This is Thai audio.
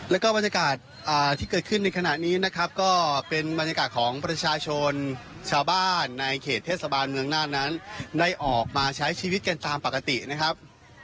แล้วก็บรรยากาศที่เกิดขึ้นในขณะนี้นะครับก็เป็นบรรยากาศของประชาชนชาวบ้านในเขตเทศบาลเมืองน่านนั้นได้ออกมาใช้ชีวิตกันตามปกตินะครับ